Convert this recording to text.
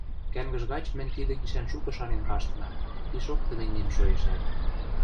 Кӓнгӹж гач мӹнь тидӹ гишӓн шукы шанен каштынам, пишок тыменьмем шоэшӓт: